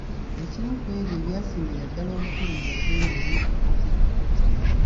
Ekimu ku ebyo ebyasingira ddala obukulu mu lugendo lwe olwo.